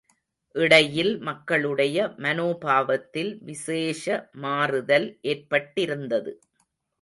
இடையில் மக்களுடைய மனோபாவத்தில் விசேஷ மாறுதல் ஏற்பட்டிருந்தது.